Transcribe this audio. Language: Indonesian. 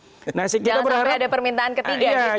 jangan sampai ada permintaan ketiga gitu